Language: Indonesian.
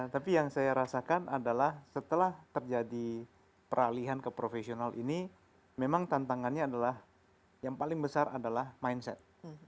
tapi yang saya rasakan adalah setelah terjadi peralihan ke profesional ini memang tantangannya adalah yang paling besar adalah mindset